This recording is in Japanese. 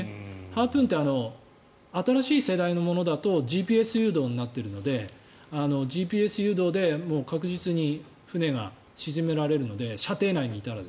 ハープーンって新しい世代のものだとＧＰＳ誘導になっているのでＧＰＳ誘導で確実に船が沈められるので射程内にいたら。